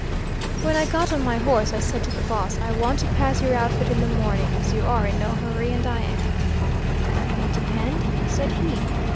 "When I got on my horse, I said to the boss, 'I want to pass your outfit in the morning, as you are in no hurry and I am.' "'That will depend,' said he.